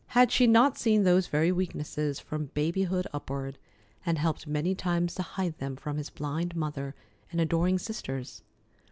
Had she not seen those very weaknesses from babyhood upward, and helped many times to hide them from his blind mother and adoring sisters?